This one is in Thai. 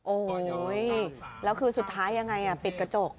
โอ้โหแล้วคือสุดท้ายยังไงปิดกระจก